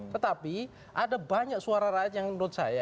tetapi ada banyak suara rakyat yang menurut saya